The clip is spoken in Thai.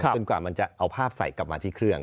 กว่ามันจะเอาภาพใส่กลับมาที่เครื่อง